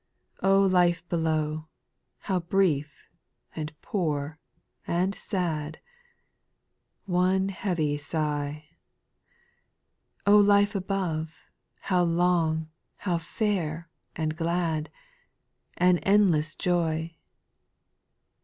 4. O life below, — how brief, and poor, and sad 1 One heavy sigh. O life above, — how long, how fair, and glad ; An endless joy.